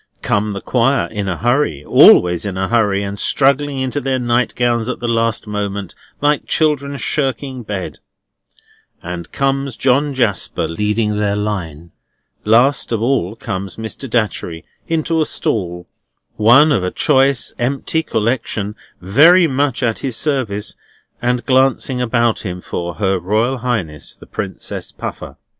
Come the Choir in a hurry (always in a hurry, and struggling into their nightgowns at the last moment, like children shirking bed), and comes John Jasper leading their line. Last of all comes Mr. Datchery into a stall, one of a choice empty collection very much at his service, and glancing about him for Her Royal Highness the Princess Puffer.